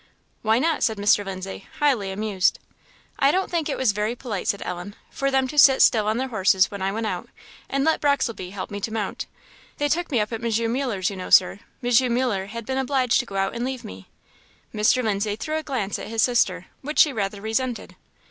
"Why not?" said Mr. Lindsay, highly amused. "I don't think it was very polite," said Ellen, "for them to sit still on their horses when I went out, and let Brocklesby help me to mount. They took me up at M. Muller's, you know, Sir; M. Muller had been obliged to go out and leave me." Mr. Lindsay threw a glance at his sister, which she rather resented.